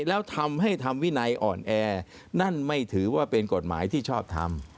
แล้วทำให้ทำวินัยอ่อนแอนั่นไม่ถือว่าเป็นกฎหมายที่ชอบทำ